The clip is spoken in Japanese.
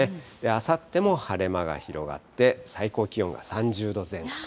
あさっても晴れ間が広がって、最高気温が３０度前後と。